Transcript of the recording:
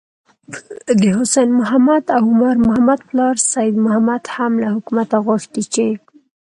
د حسين محمد او عمر محمد پلار سيد محمد هم له حکومته غوښتي چې: